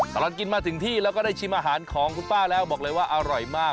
ตลอดกินมาถึงที่แล้วก็ได้ชิมอาหารของคุณป้าแล้วบอกเลยว่าอร่อยมาก